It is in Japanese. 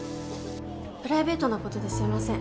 プライベートなことですいません。